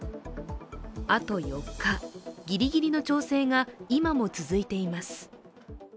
あと４日、ギリギリの調整が今も続いています。